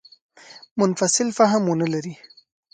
منفصل فهم ونه لري.